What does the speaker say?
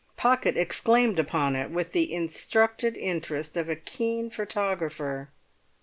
Pocket exclaimed upon it with the instructed interest of a keen photographer.